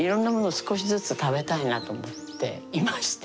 少しずつ食べたいなと思っていまして。